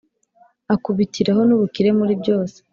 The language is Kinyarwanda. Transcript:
akubitiraho n'ubukire muri byose: